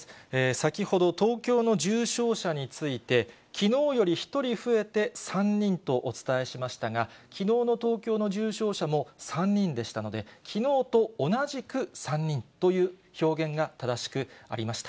先ほど、東京の重症者について、きのうより１人増えて３人とお伝えしましたが、きのうの東京の重症者も３人でしたので、きのうと同じく３人という表現が正しくありました。